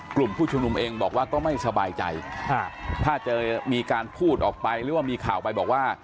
กลุ่มผู้ชุมนุมเองบอกว่าก็ไม่สบายใจถ้าจะมีการพูดออกไปหรือว่ามีข่าวไปบอกว่า